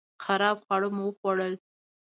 خراب خواړه مو وخوړل